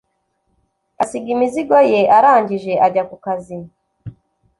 asiga imizigo ye arangije ajya ku kazi